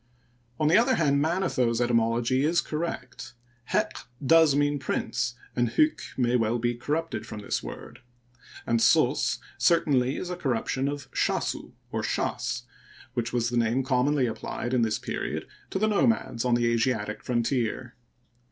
On the other hand, Manetho's etymology is correct. Heq does mean prince, and hyk may well be corrupted from this word ; and sos certainly is a corruption of shasu or shaSy which was the name commonly applied in this penod to the nomads on the Asiatic frontier.